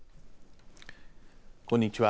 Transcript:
こんにちは。